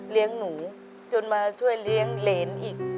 เลี้ยงหนูจนมาช่วยเลี้ยงเลน